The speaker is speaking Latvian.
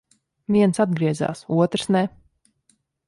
Viens atgriezās, otrs ne.